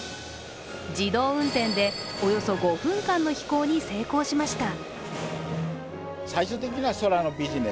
自動運転でおよそ５分間の飛行に成功しました。